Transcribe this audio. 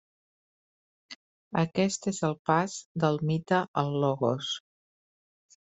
Aquest és el pas del mite al logos.